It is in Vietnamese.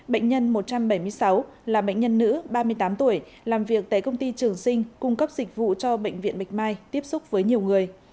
bệnh nhân một trăm bảy mươi sáu là bệnh nhân nữ ba mươi tám tuổi làm việc tại công ty trường sinh cung cấp dịch vụ cho bệnh viện bạch mai tiếp xúc với nhiều người